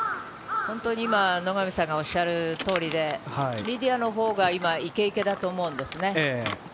野上さんがおっしゃる通りで、リディアのほうが今、イケイケだと思うんですね。